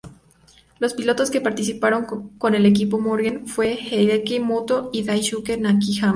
Los pilotos que participaron con el equipo Mugen fueron Hideki Mutoh y Daisuke Nakajima.